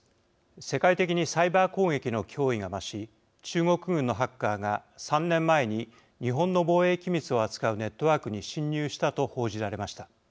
世界的にサイバー攻撃の脅威が増し中国軍のハッカーが３年前に日本の防衛機密を扱うネットワークに侵入したと報じられました。